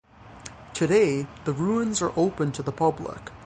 Today, the ruins are open to the public.